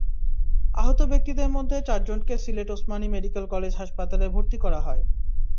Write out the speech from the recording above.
আহত ব্যক্তিদের মধ্যে চারজনকে সিলেট ওসমানী মেডিকেল কলেজ হাসপাতালে ভর্তি করা হয়।